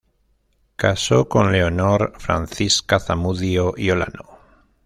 Casó con Leonor Francisca Zamudio y Olano.